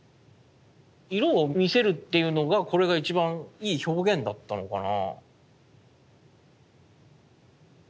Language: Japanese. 色を見せるっていうのがこれが一番いい表現だったのかな。